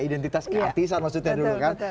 identitas kt sama sama dulu kan